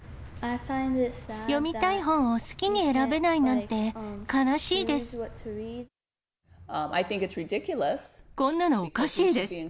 読みたい本を好きに選べないこんなのおかしいです。